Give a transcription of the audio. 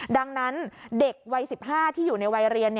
ดังนั้นเด็กวัย๑๕ที่อยู่ในวัยเรียน